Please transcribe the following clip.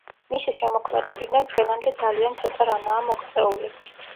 მისი შემოქმედებიდან ჩვენამდე ძალიან ცოტა რამაა მოღწეული.